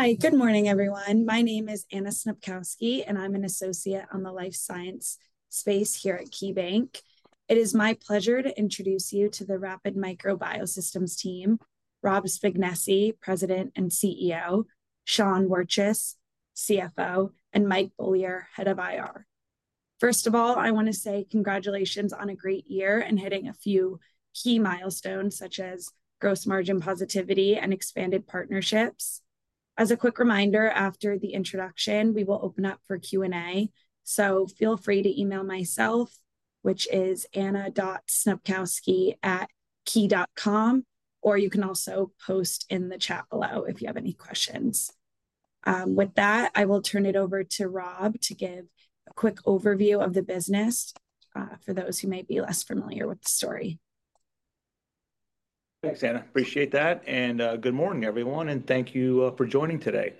Hi, good morning, everyone. My name is Anna Snopkowski, and I'm an associate on the Life Science space here at KeyBanc. It is my pleasure to introduce you to the Rapid Micro Biosystems team, Rob Spignesi, President and CEO, Sean Wirtjes, CFO, and Mike Beaulieu, Head of IR. First of all, I want to say congratulations on a great year and hitting a few key milestones such as gross margin positivity and expanded partnerships. As a quick reminder, after the introduction, we will open up for Q&A, so feel free to email myself, which is anna.snopkowski@key.com, or you can also post in the chat below if you have any questions. With that, I will turn it over to Rob to give a quick overview of the business for those who may be less familiar with the story. Thanks, Anna. Appreciate that. Good morning, everyone, and thank you for joining today.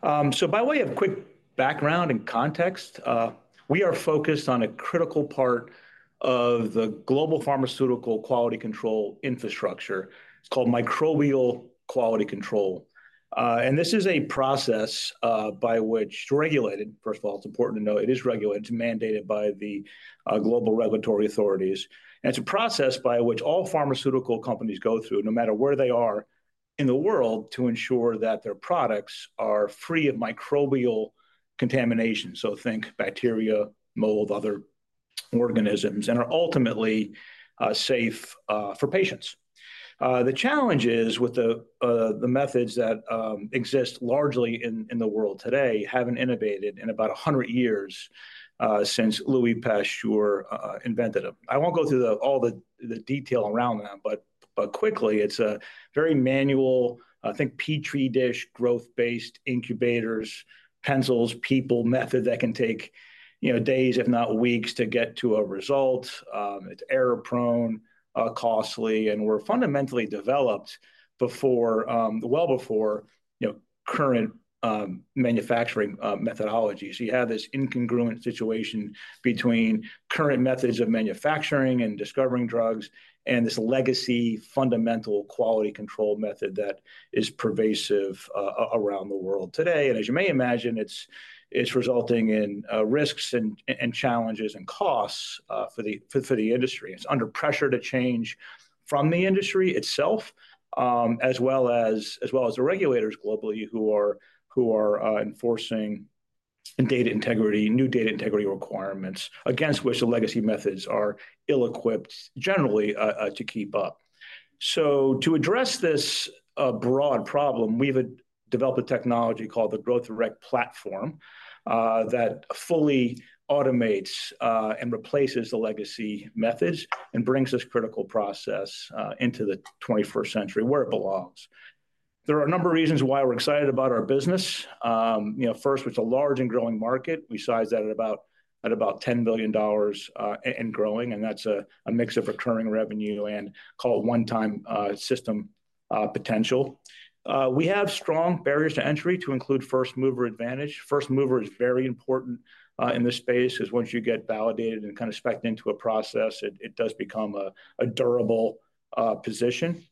By way of quick background and context, we are focused on a critical part of the global pharmaceutical quality control infrastructure. It's called microbial quality control. This is a process by which, regulated, first of all, it's important to note, it is regulated, it's mandated by the global regulatory authorities. It's a process by which all pharmaceutical companies go through, no matter where they are in the world, to ensure that their products are free of microbial contamination. Think bacteria, mold, other organisms, and are ultimately safe for patients. The challenge is with the methods that exist largely in the world today, they have not innovated in about 100 years since Louis Pasteur invented them. I won't go through all the detail around them, but quickly, it's a very manual, I think, Petri dish, growth-based incubators, pencils, people, method that can take days, if not weeks, to get to a result. It's error-prone, costly, and were fundamentally developed well before current manufacturing methodologies. You have this incongruent situation between current methods of manufacturing and discovering drugs and this legacy fundamental quality control method that is pervasive around the world today. As you may imagine, it's resulting in risks and challenges and costs for the industry. It's under pressure to change from the industry itself, as well as the regulators globally who are enforcing new data integrity requirements against which the legacy methods are ill-equipped generally to keep up. To address this broad problem, we've developed a technology called the Growth Direct Platform that fully automates and replaces the legacy methods and brings this critical process into the 21st century where it belongs. There are a number of reasons why we're excited about our business. First, it's a large and growing market. We sized that at about $10 billion and growing, and that's a mix of recurring revenue and called one-time system potential. We have strong barriers to entry to include first mover advantage. First mover is very important in this space because once you get validated and kind of spec'd into a process, it does become a durable position.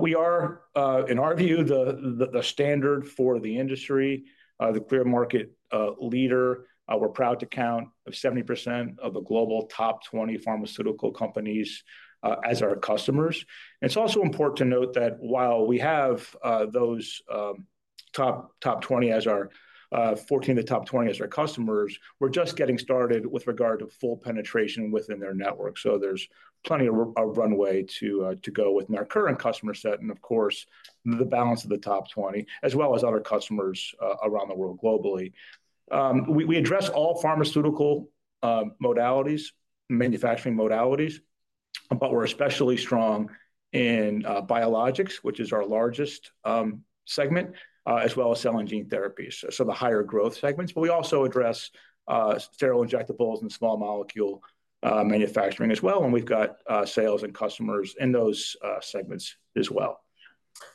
We are, in our view, the standard for the industry, the clear market leader. We're proud to count 70% of the global top 20 pharmaceutical companies as our customers. It is also important to note that while we have 14 of the top 20 as our customers, we are just getting started with regard to full penetration within their network. There is plenty of runway to go within our current customer set and, of course, the balance of the top 20, as well as other customers around the world globally. We address all pharmaceutical modalities, manufacturing modalities, but we are especially strong in Biologics, which is our largest segment, as well as Cell and Gene Therapies. These are the higher growth segments. We also address sterile injectables and small molecule manufacturing as well. We have sales and customers in those segments as well.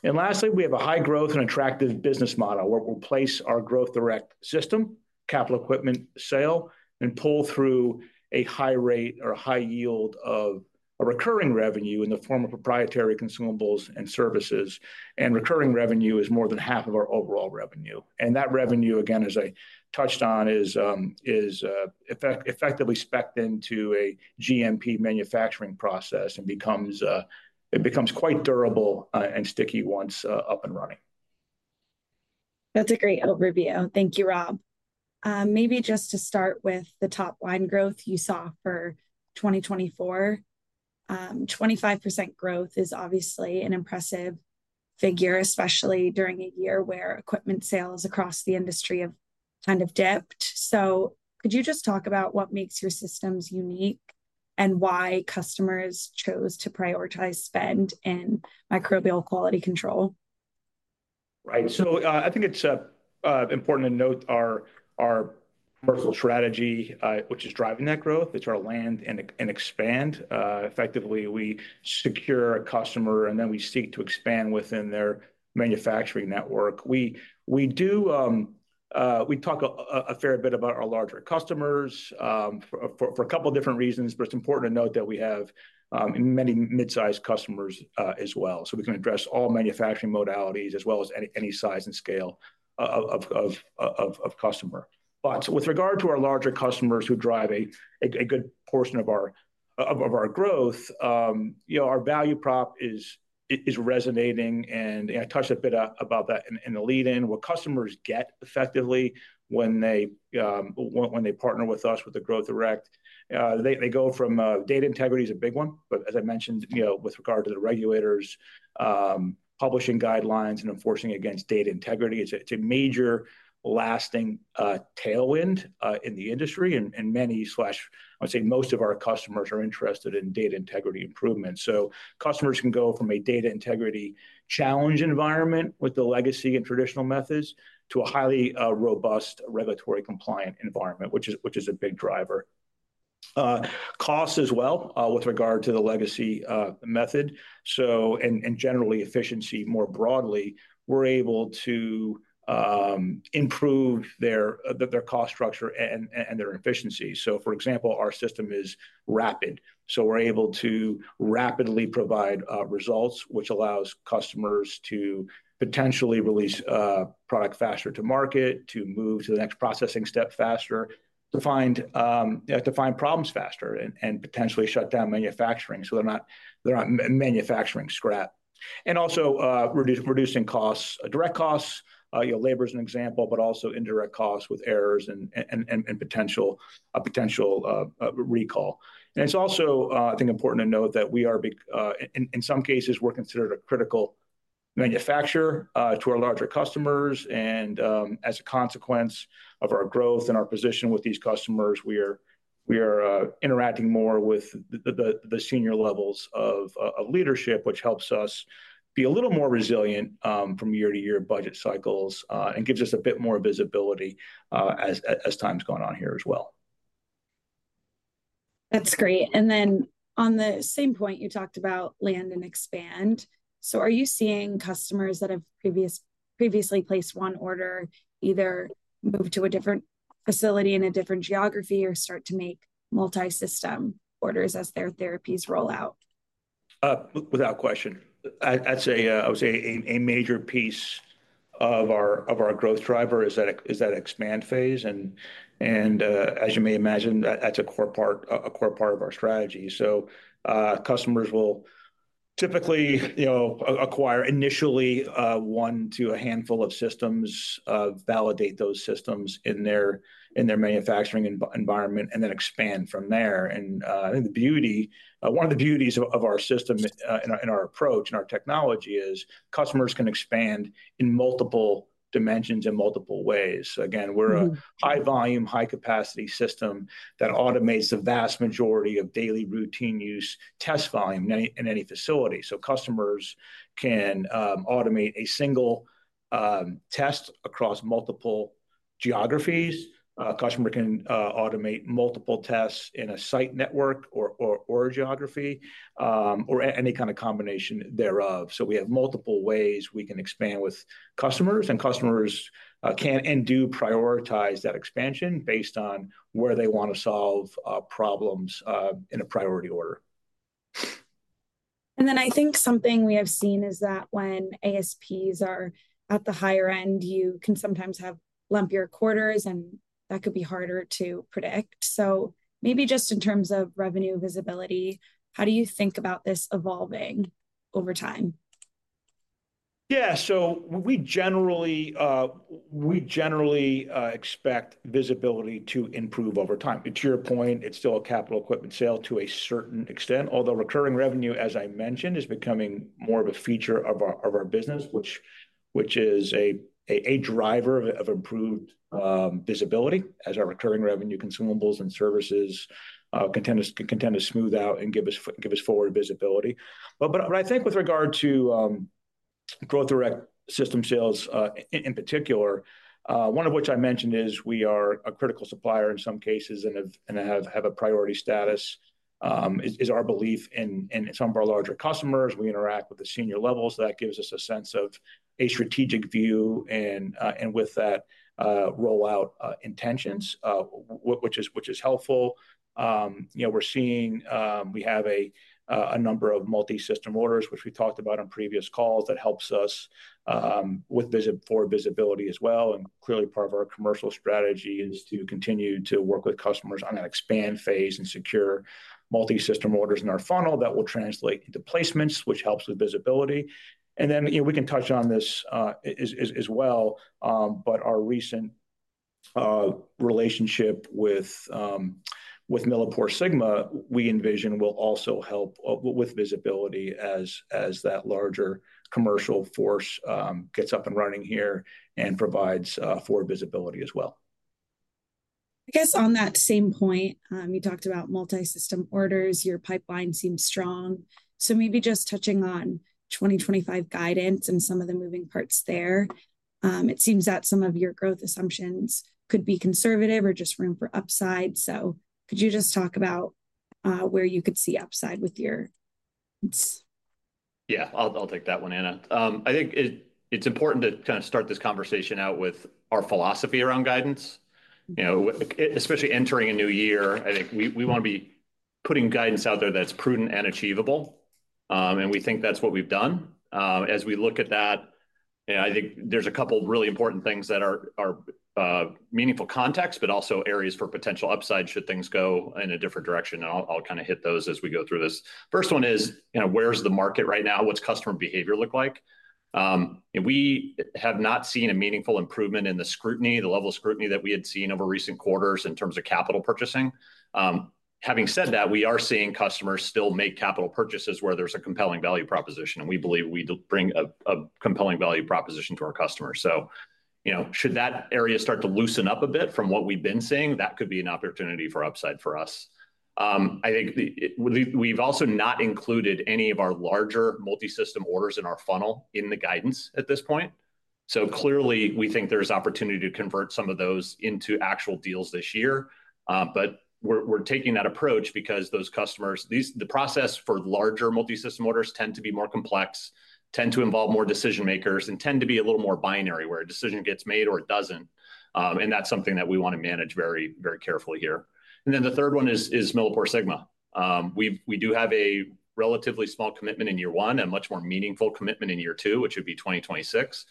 Lastly, we have a high growth and attractive business model where we'll place our Growth Direct System, capital equipment sale, and pull through a high rate or a high yield of recurring revenue in the form of proprietary consumables and services. Recurring revenue is more than half of our overall revenue. That revenue, again, as I touched on, is effectively spec'd into a GMP manufacturing process and becomes quite durable and sticky once up and running. That's a great overview. Thank you, Rob. Maybe just to start with the top line growth you saw for 2024, 25% growth is obviously an impressive figure, especially during a year where equipment sales across the industry have kind of dipped. Could you just talk about what makes your systems unique and why customers chose to prioritize spend in microbial quality control? Right. I think it's important to note our commercial strategy, which is driving that growth. It's our land and expand. Effectively, we secure a customer, and then we seek to expand within their manufacturing network. We talk a fair bit about our larger customers for a couple of different reasons, but it's important to note that we have many mid-sized customers as well. We can address all manufacturing modalities as well as any size and scale of customer. With regard to our larger customers who drive a good portion of our growth, our value prop is resonating. I touched a bit about that in the lead-in. What customers get effectively when they partner with us with the Growth Direct, they go from data integrity is a big one. As I mentioned, with regard to the regulators, publishing guidelines, and enforcing against data integrity, it's a major lasting tailwind in the industry. Many, I would say most, of our customers are interested in data integrity improvement. Customers can go from a data integrity challenge environment with the legacy and traditional methods to a highly robust regulatory compliant environment, which is a big driver. Cost as well with regard to the legacy method. Generally, efficiency more broadly, we're able to improve their cost structure and their efficiency. For example, our system is rapid. We're able to rapidly provide results, which allows customers to potentially release product faster to market, to move to the next processing step faster, to find problems faster, and potentially shut down manufacturing so they're not manufacturing scrap. Also reducing direct costs, labor is an example, but also indirect costs with errors and potential recall. It is also, I think, important to note that we are, in some cases, considered a critical manufacturer to our larger customers. As a consequence of our growth and our position with these customers, we are interacting more with the senior levels of leadership, which helps us be a little more resilient from year-to-year budget cycles and gives us a bit more visibility as time has gone on here as well. That's great. On the same point, you talked about land and expand. Are you seeing customers that have previously placed one order either move to a different facility in a different geography or start to make multi-system orders as their therapies roll out? Without question. I would say a major piece of our growth driver is that expand phase. As you may imagine, that's a core part of our strategy. Customers will typically acquire initially one to a handful of systems, validate those systems in their manufacturing environment, and then expand from there. I think the beauty, one of the beauties of our system and our approach and our technology is customers can expand in multiple dimensions in multiple ways. We are a high-volume, high-capacity system that automates the vast majority of daily routine use test volume in any facility. Customers can automate a single test across multiple geographies. A customer can automate multiple tests in a site network or geography or any kind of combination thereof. We have multiple ways we can expand with customers. Customers can and do prioritize that expansion based on where they want to solve problems in a priority order. I think something we have seen is that when ASPs are at the higher end, you can sometimes have lumpier quarters, and that could be harder to predict. Maybe just in terms of revenue visibility, how do you think about this evolving over time? Yeah. We generally expect visibility to improve over time. To your point, it's still a capital equipment sale to a certain extent. Although recurring revenue, as I mentioned, is becoming more of a feature of our business, which is a driver of improved visibility as our recurring revenue consumables and services can tend to smooth out and give us forward visibility. I think with regard to Growth Direct System sales in particular, one of which I mentioned is we are a critical supplier in some cases and have a priority status, is our belief in some of our larger customers. We interact with the senior levels. That gives us a sense of a strategic view and with that roll-out intentions, which is helpful. We're seeing we have a number of multi-system orders, which we talked about on previous calls, that helps us with forward visibility as well. Clearly, part of our commercial strategy is to continue to work with customers on that expand phase and secure multi-system orders in our funnel that will translate into placements, which helps with visibility. We can touch on this as well. Our recent relationship with MilliporeSigma, we envision, will also help with visibility as that larger commercial force gets up and running here and provides for visibility as well. I guess on that same point, you talked about multi-system orders. Your pipeline seems strong. Maybe just touching on 2025 guidance and some of the moving parts there. It seems that some of your growth assumptions could be conservative or just room for upside. Could you just talk about where you could see upside with your? Yeah. I'll take that one, Anna. I think it's important to kind of start this conversation out with our philosophy around guidance. Especially entering a new year, I think we want to be putting guidance out there that's prudent and achievable. We think that's what we've done. As we look at that, I think there's a couple of really important things that are meaningful context, but also areas for potential upside should things go in a different direction. I'll kind of hit those as we go through this. First one is, where's the market right now? What's customer behavior look like? We have not seen a meaningful improvement in the scrutiny, the level of scrutiny that we had seen over recent quarters in terms of capital purchasing. Having said that, we are seeing customers still make capital purchases where there's a compelling value proposition. We believe we bring a compelling value proposition to our customers. Should that area start to loosen up a bit from what we've been seeing, that could be an opportunity for upside for us. I think we've also not included any of our larger multi-system orders in our funnel in the guidance at this point. Clearly, we think there's opportunity to convert some of those into actual deals this year. We're taking that approach because the process for larger multi-system orders tends to be more complex, tends to involve more decision makers, and tends to be a little more binary where a decision gets made or it doesn't. That is something that we want to manage very carefully here. The third one is MilliporeSigma. We do have a relatively small commitment in year one and a much more meaningful commitment in year two, which would be 2026.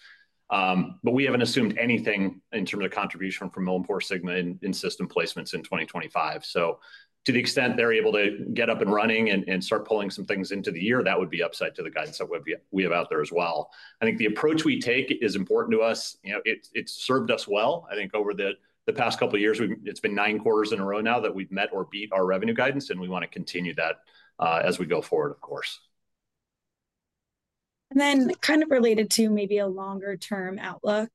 We have not assumed anything in terms of contribution from MilliporeSigma in system placements in 2025. To the extent they are able to get up and running and start pulling some things into the year, that would be upside to the guidance that we have out there as well. I think the approach we take is important to us. It has served us well. I think over the past couple of years, it has been nine quarters in a row now that we have met or beat our revenue guidance. We want to continue that as we go forward, of course. Kind of related to maybe a longer-term outlook,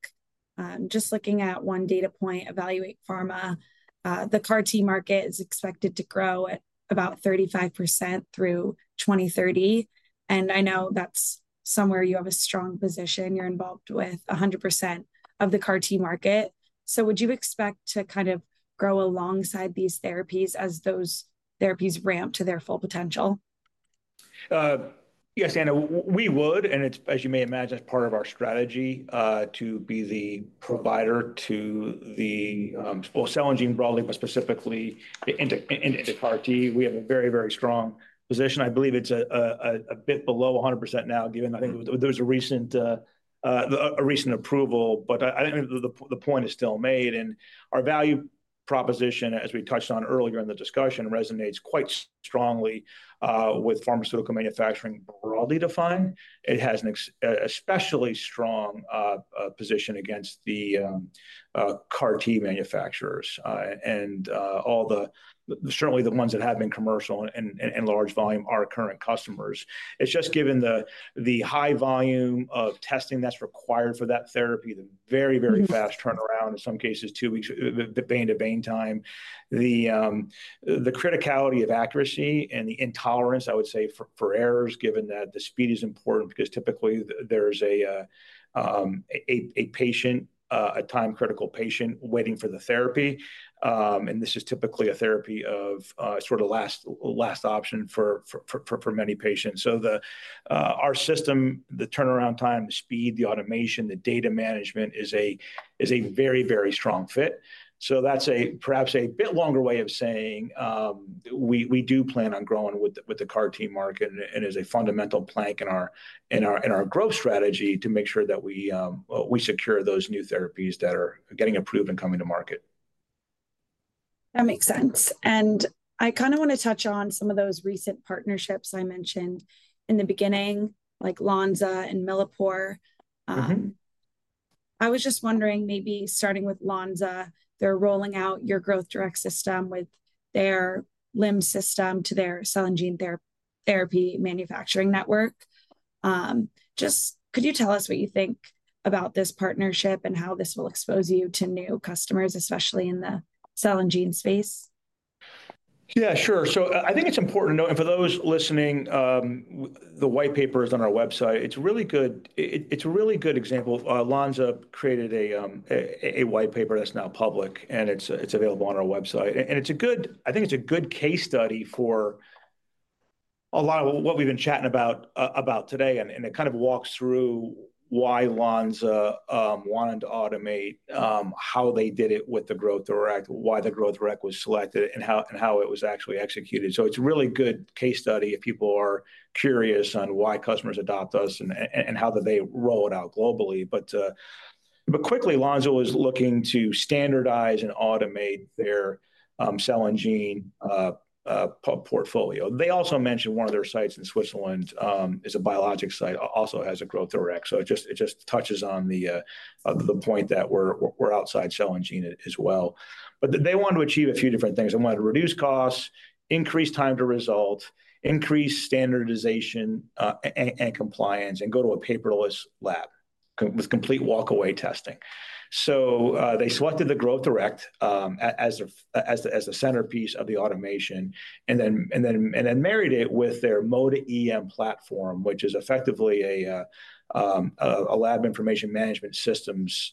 just looking at one data point, EvaluatePharma, the CAR-T market is expected to grow at about 35% through 2030. I know that's somewhere you have a strong position. You're involved with 100% of the CAR-T market. Would you expect to kind of grow alongside these therapies as those therapies ramp to their full potential? Yes, Anna. We would. As you may imagine, it's part of our strategy to be the provider to the cell and gene broadly, but specifically into CAR-T. We have a very, very strong position. I believe it's a bit below 100% now, given I think there was a recent approval. I think the point is still made. Our value proposition, as we touched on earlier in the discussion, resonates quite strongly with pharmaceutical manufacturing broadly defined. It has an especially strong position against the CAR-T manufacturers. Certainly, the ones that have been commercial and large volume are current customers. It's just given the high volume of testing that's required for that therapy, the very, very fast turnaround, in some cases, two weeks of vein-to-vein time, the criticality of accuracy and the intolerance, I would say, for errors, given that the speed is important because typically, there's a patient, a time-critical patient waiting for the therapy. This is typically a therapy of sort of last option for many patients. Our system, the turnaround time, the speed, the automation, the data management is a very, very strong fit. That's perhaps a bit longer way of saying we do plan on growing with the CAR-T market and as a fundamental plank in our growth strategy to make sure that we secure those new therapies that are getting approved and coming to market. That makes sense. I kind of want to touch on some of those recent partnerships I mentioned in the beginning, like Lonza and MilliporeSigma. I was just wondering, maybe starting with Lonza, they're rolling out your Growth Direct System with their LIMS system to their cell and gene therapy manufacturing network. Just could you tell us what you think about this partnership and how this will expose you to new customers, especially in the cell and gene space? Yeah, sure. I think it's important to note, and for those listening, the white paper is on our website. It's a really good example. Lonza created a white paper that's now public. It's available on our website. I think it's a good case study for a lot of what we've been chatting about today. It kind of walks through why Lonza wanted to automate, how they did it with the Growth Direct, why the Growth Direct was selected, and how it was actually executed. It's a really good case study if people are curious on why customers adopt us and how do they roll it out globally. Quickly, Lonza was looking to standardize and automate their cell and gene portfolio. They also mentioned one of their sites in Switzerland is a biologic site, also has a Growth Direct. It just touches on the point that we're outside cell and gene as well. They wanted to achieve a few different things. They wanted to reduce costs, increase time to result, increase standardization and compliance, and go to a paperless lab with complete walk-away testing. They selected the Growth Direct as the centerpiece of the automation and then married it with their MODA-EM platform, which is effectively a lab information management systems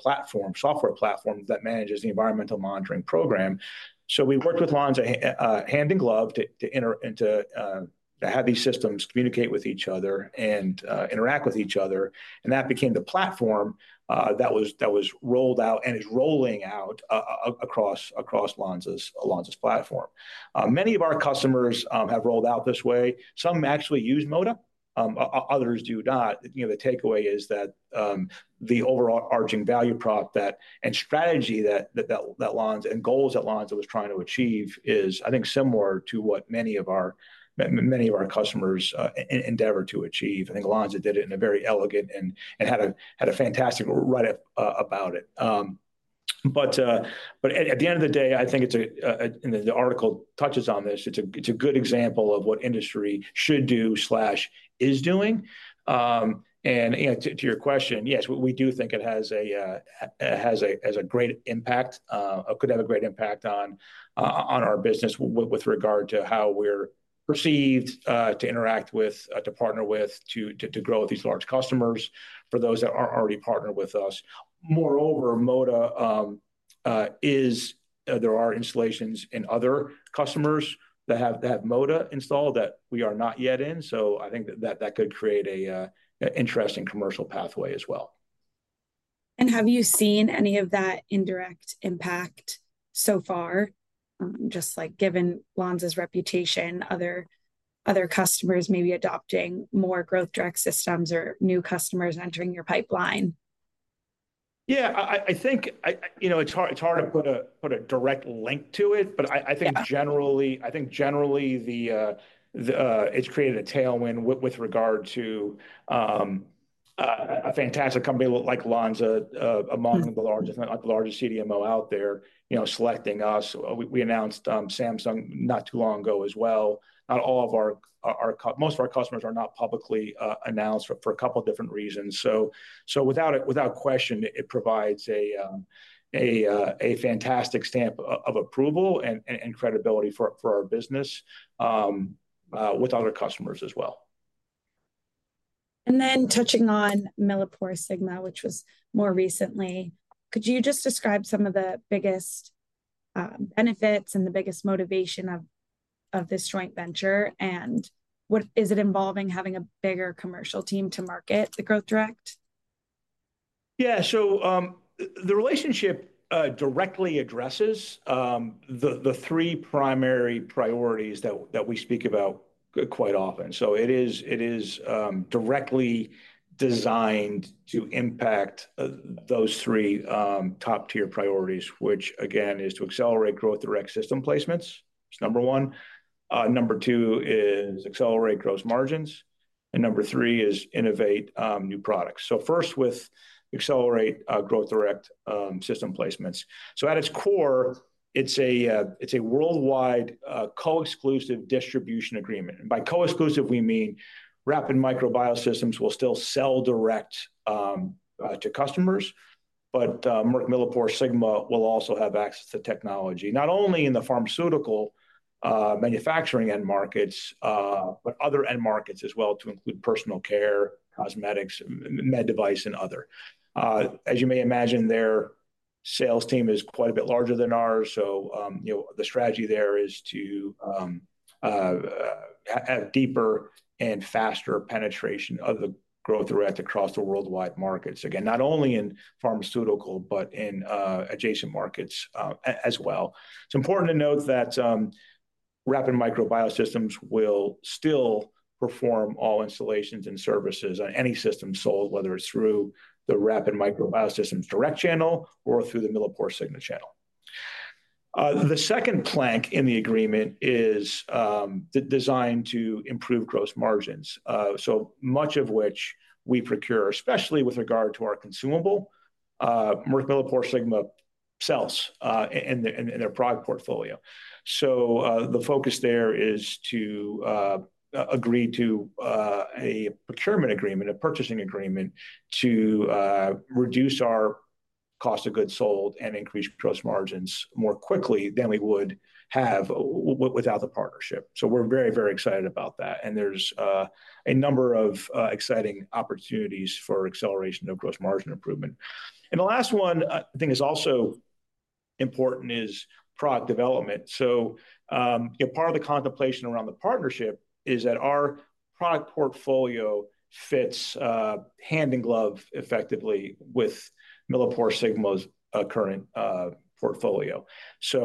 platform, software platform that manages the environmental monitoring program. We worked with Lonza hand in glove to have these systems communicate with each other and interact with each other. That became the platform that was rolled out and is rolling out across Lonza's platform. Many of our customers have rolled out this way. Some actually use MODA. Others do not. The takeaway is that the overarching value prop and strategy that Lonza and goals that Lonza was trying to achieve is, I think, similar to what many of our customers endeavor to achieve. I think Lonza did it in a very elegant and had a fantastic write-up about it. At the end of the day, I think the article touches on this. It's a good example of what industry should do/is doing. To your question, yes, we do think it has a great impact, could have a great impact on our business with regard to how we're perceived to interact with, to partner with, to grow with these large customers for those that are already partnered with us. Moreover, MODA is there are installations in other customers that have MODA installed that we are not yet in. I think that could create an interesting commercial pathway as well. Have you seen any of that indirect impact so far, just given Lonza's reputation, other customers maybe adopting more Growth Direct Systems or new customers entering your pipeline? Yeah. I think it's hard to put a direct link to it. I think generally, it's created a tailwind with regard to a fantastic company like Lonza, among the largest CDMO out there selecting us. We announced Samsung not too long ago as well. Most of our customers are not publicly announced for a couple of different reasons. Without question, it provides a fantastic stamp of approval and credibility for our business with other customers as well. Touching on MilliporeSigma, which was more recently, could you just describe some of the biggest benefits and the biggest motivation of this joint venture? Is it involving having a bigger commercial team to market the Growth Direct? Yeah. The relationship directly addresses the three primary priorities that we speak about quite often. It is directly designed to impact those three top-tier priorities, which, again, is to accelerate Growth Direct System placements. That's number one. Number two is accelerate gross margins. Number three is innovate new products. First, with accelerate Growth Direct System placements. At its core, it's a worldwide co-exclusive distribution agreement. By co-exclusive, we mean Rapid Micro Biosystems will still sell direct to customers. MilliporeSigma will also have access to technology, not only in the pharmaceutical manufacturing end markets, but other end markets as well, to include personal care, cosmetics, med device, and other. As you may imagine, their sales team is quite a bit larger than ours. The strategy there is to have deeper and faster penetration of the Growth Direct across the worldwide markets, again, not only in pharmaceutical, but in adjacent markets as well. It's important to note that Rapid Micro Biosystems will still perform all installations and services on any system sold, whether it's through the Rapid Micro Biosystems Direct channel or through the MilliporeSigma channel. The second plank in the agreement is designed to improve gross margins, so much of which we procure, especially with regard to our consumable, MilliporeSigma sells in their product portfolio. The focus there is to agree to a procurement agreement, a purchasing agreement, to reduce our cost of goods sold and increase gross margins more quickly than we would have without the partnership. We're very, very excited about that. There's a number of exciting opportunities for acceleration of gross margin improvement. The last one, I think, is also important is product development. Part of the contemplation around the partnership is that our product portfolio fits hand in glove effectively with MilliporeSigma's current portfolio.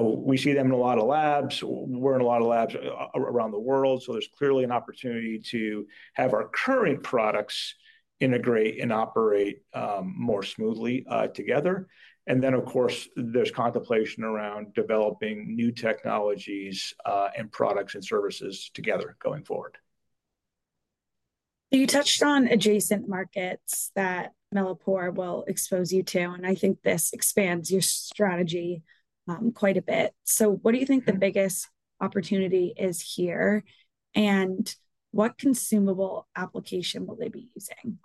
We see them in a lot of labs. We are in a lot of labs around the world. There is clearly an opportunity to have our current products integrate and operate more smoothly together. Of course, there is contemplation around developing new technologies and products and services together going forward. You touched on adjacent markets that MilliporeSigma will expose you to. I think this expands your strategy quite a bit. What do you think the biggest opportunity is here? What consumable application will they be using?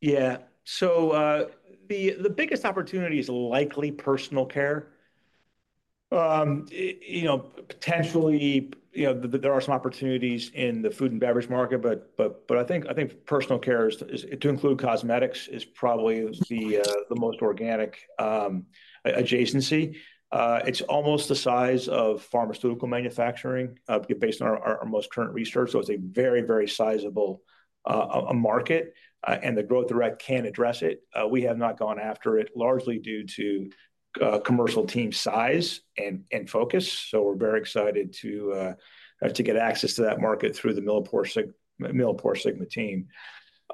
Yeah. The biggest opportunity is likely personal care. Potentially, there are some opportunities in the food and beverage market. I think personal care, to include cosmetics, is probably the most organic adjacency. It is almost the size of pharmaceutical manufacturing based on our most current research. It is a very, very sizable market. The Growth Direct can address it. We have not gone after it largely due to commercial team size and focus. We are very excited to get access to that market through the MilliporeSigma team.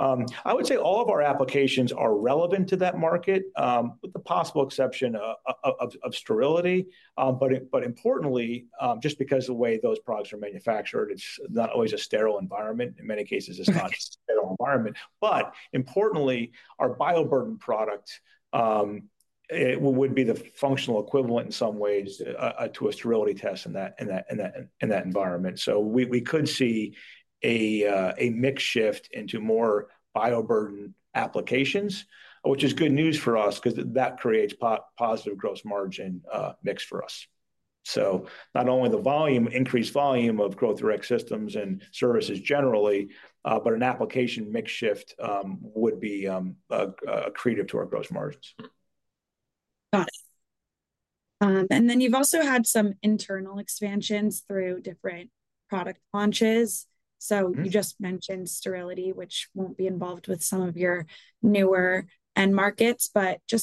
I would say all of our applications are relevant to that market, with the possible exception of sterility. Importantly, just because of the way those products are manufactured, it is not always a sterile environment. In many cases, it is not a sterile environment. Importantly, our bioburden product would be the functional equivalent in some ways to a sterility test in that environment. We could see a mix shift into more bioburden applications, which is good news for us because that creates positive gross margin mix for us. Not only the increased volume of Growth Direct Systems and services generally, but an application mix shift would be accretive to our gross margins. Got it. You have also had some internal expansions through different product launches. You just mentioned Sterility, which will not be involved with some of your newer end markets.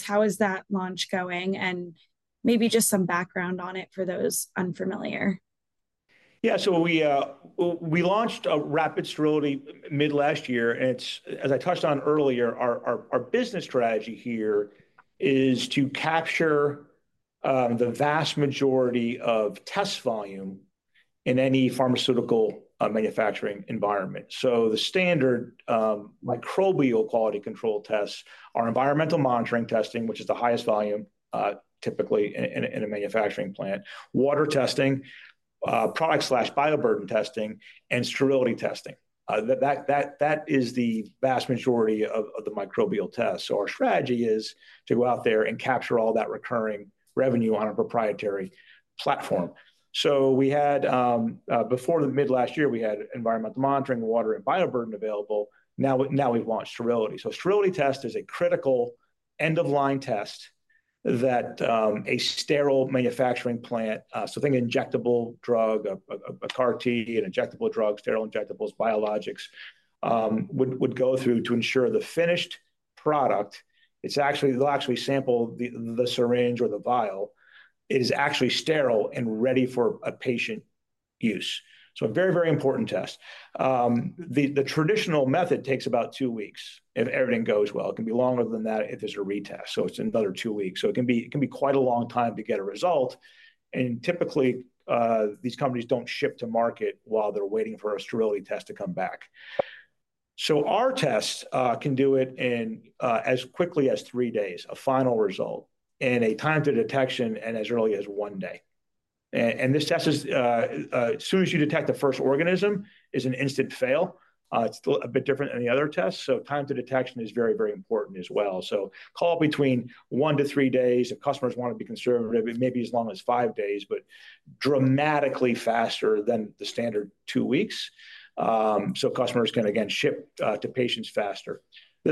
How is that launch going? Maybe just some background on it for those unfamiliar. Yeah. We launched Rapid Sterility mid-last year. As I touched on earlier, our business strategy here is to capture the vast majority of test volume in any pharmaceutical manufacturing environment. The standard microbial quality control tests are environmental monitoring testing, which is the highest volume typically in a manufacturing plant, water testing, product/bioburden testing, and sterility testing. That is the vast majority of the microbial tests. Our strategy is to go out there and capture all that recurring revenue on a proprietary platform. Before mid-last year, we had environmental monitoring, water, and bioburden available. Now we've launched Sterility. Sterility test is a critical end-of-line test that a sterile manufacturing plant, so think injectable drug, a CAR-T, an injectable drug, sterile injectables, biologics, would go through to ensure the finished product, they'll actually sample the syringe or the vial, is actually sterile and ready for patient use. A very, very important test. The traditional method takes about two weeks if everything goes well. It can be longer than that if there's a retest. It is another two weeks. It can be quite a long time to get a result. Typically, these companies do not ship to market while they're waiting for a sterility test to come back. Our test can do it as quickly as three days, a final result, and a time to detection as early as one day. As soon as you detect the first organism, it's an instant fail. It's a bit different than the other tests. Time to detection is very, very important as well. Call between one to three days. If customers want to be conservative, it may be as long as five days, but dramatically faster than the standard two weeks. Customers can, again, ship to patients faster. We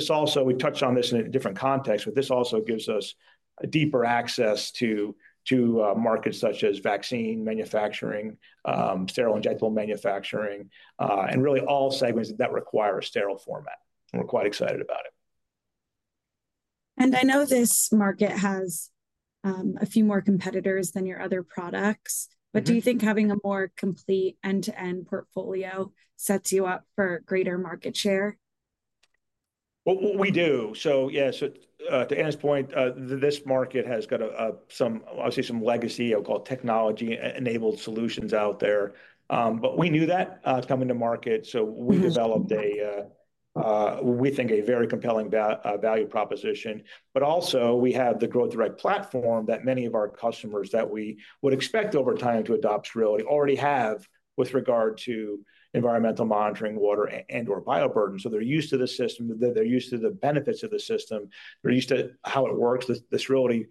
touched on this in a different context, but this also gives us deeper access to markets such as vaccine manufacturing, sterile injectable manufacturing, and really all segments that require a sterile format. We're quite excited about it. I know this market has a few more competitors than your other products. Do you think having a more complete end-to-end portfolio sets you up for greater market share? To Anna's point, this market has got some, I would say, some legacy, I'll call it technology-enabled solutions out there. We knew that coming to market. We developed, we think, a very compelling value proposition. We also have the Growth Direct platform that many of our customers that we would expect over time to adopt Sterility already have with regard to environmental monitoring, water, and/or bioburden. They are used to the system. They are used to the benefits of the system. They are used to how it works. The sterility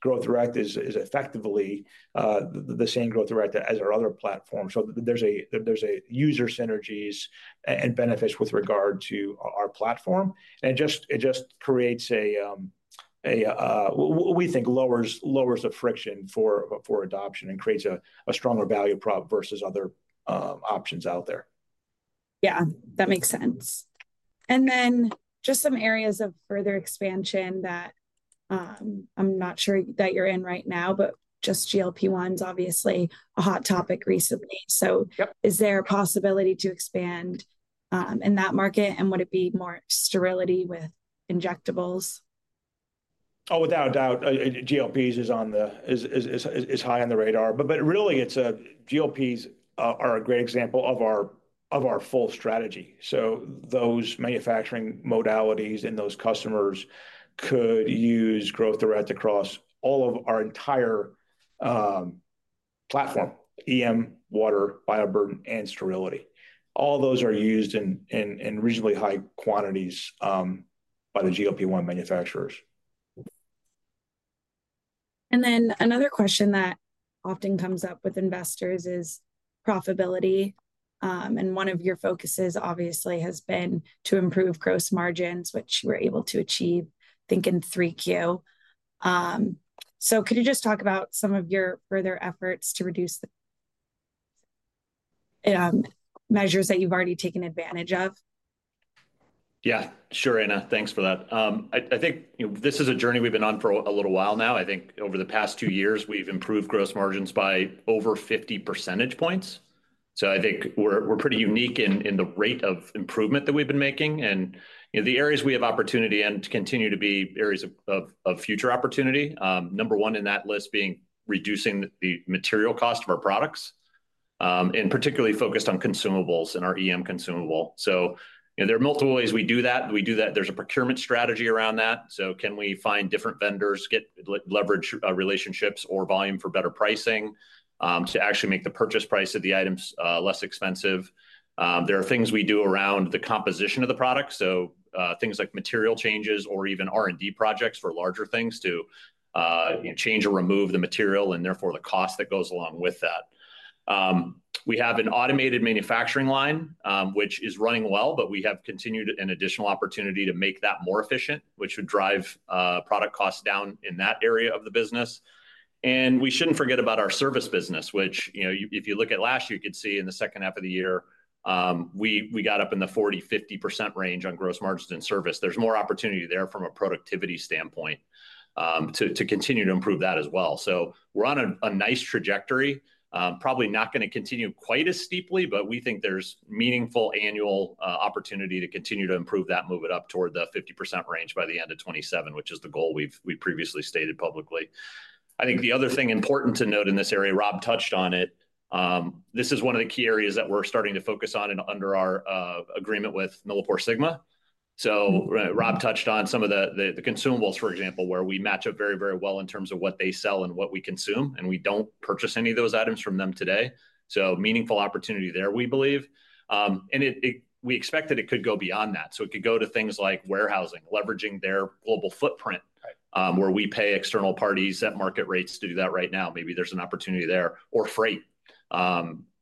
Growth Direct is effectively the same Growth Direct as our other platform. There are user synergies and benefits with regard to our platform. It just creates, we think, lowers the friction for adoption and creates a stronger value prop versus other options out there. Yeah. That makes sense. Just some areas of further expansion that I'm not sure that you're in right now, but just GLP-1 is obviously a hot topic recently. Is there a possibility to expand in that market? Would it be more sterility with injectables? Oh, without a doubt. GLP is high on the radar. But really, GLPs are a great example of our full strategy. So those manufacturing modalities and those customers could use Growth Direct across all of our entire platform: EM, water, bioburden, and sterility. All those are used in reasonably high quantities by the GLP-1 manufacturers. Another question that often comes up with investors is profitability. One of your focuses, obviously, has been to improve gross margins, which you were able to achieve, I think, in 3Q. Could you just talk about some of your further efforts to reduce the measures that you've already taken advantage of? Yeah. Sure, Anna. Thanks for that. I think this is a journey we've been on for a little while now. I think over the past two years, we've improved gross margins by over 50 percentage points. I think we're pretty unique in the rate of improvement that we've been making. The areas we have opportunity in continue to be areas of future opportunity. Number one in that list being reducing the material cost of our products, and particularly focused on consumables and our EM consumable. There are multiple ways we do that. There's a procurement strategy around that. Can we find different vendors, leverage relationships or volume for better pricing to actually make the purchase price of the items less expensive? There are things we do around the composition of the product, so things like material changes or even R&D projects for larger things to change or remove the material and therefore the cost that goes along with that. We have an automated manufacturing line, which is running well, but we have continued an additional opportunity to make that more efficient, which would drive product costs down in that area of the business. We should not forget about our service business, which if you look at last year, you could see in the second half of the year, we got up in the 40%-50% range on gross margins in service. There is more opportunity there from a productivity standpoint to continue to improve that as well. We are on a nice trajectory. Probably not going to continue quite as steeply, but we think there's meaningful annual opportunity to continue to improve that, move it up toward the 50% range by the end of 2027, which is the goal we've previously stated publicly. I think the other thing important to note in this area, Rob touched on it. This is one of the key areas that we're starting to focus on under our agreement with MilliporeSigma. Rob touched on some of the consumables, for example, where we match up very, very well in terms of what they sell and what we consume. We don't purchase any of those items from them today. Meaningful opportunity there, we believe. We expect that it could go beyond that. It could go to things like warehousing, leveraging their global footprint, where we pay external parties at market rates to do that right now. Maybe there's an opportunity there or freight,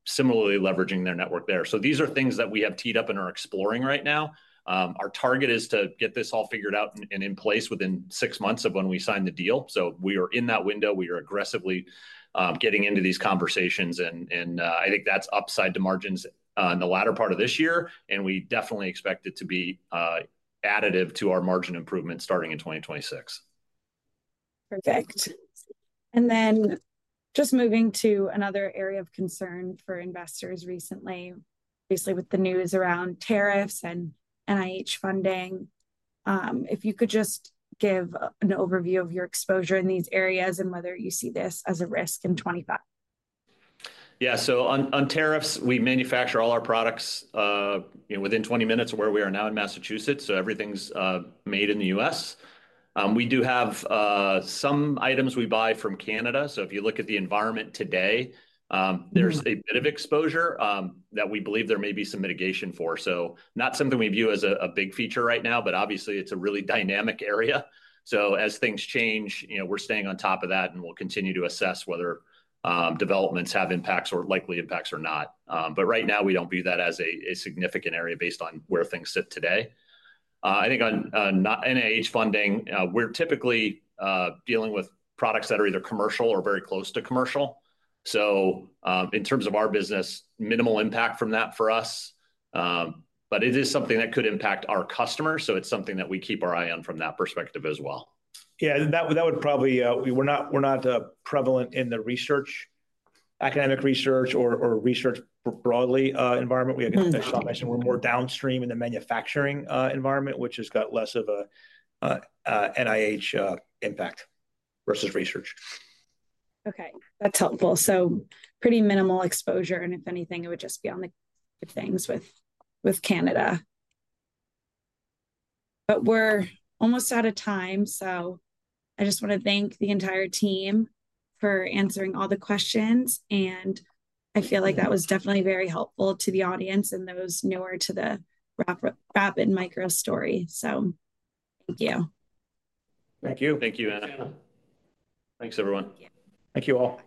similarly leveraging their network there. These are things that we have teed up and are exploring right now. Our target is to get this all figured out and in place within six months of when we sign the deal. We are in that window. We are aggressively getting into these conversations. I think that's upside to margins in the latter part of this year. We definitely expect it to be additive to our margin improvement starting in 2026. Perfect. Just moving to another area of concern for investors recently, obviously with the news around tariffs and NIH funding. If you could just give an overview of your exposure in these areas and whether you see this as a risk in 2025. Yeah. On tariffs, we manufacture all our products within 20 minutes of where we are now in Massachusetts. Everything is made in the U.S. We do have some items we buy from Canada. If you look at the environment today, there is a bit of exposure that we believe there may be some mitigation for. Not something we view as a big feature right now, but obviously, it is a really dynamic area. As things change, we are staying on top of that, and we will continue to assess whether developments have impacts or likely impacts or not. Right now, we do not view that as a significant area based on where things sit today. I think on NIH funding, we are typically dealing with products that are either commercial or very close to commercial. In terms of our business, minimal impact from that for us. It is something that could impact our customers. It is something that we keep our eye on from that perspective as well. Yeah. That would probably—we are not prevalent in the research, academic research, or research broadly environment. We have, as Sean mentioned, we are more downstream in the manufacturing environment, which has got less of an NIH impact versus research. Okay. That's helpful. Pretty minimal exposure. If anything, it would just be on the things with Canada. We're almost out of time. I just want to thank the entire team for answering all the questions. I feel like that was definitely very helpful to the audience and those newer to the Rapid Micro story. Thank you. Thank you. Thank you, Anna. Thanks, everyone. Thank you all.